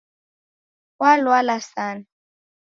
Walwala sana